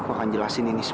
apa yang itu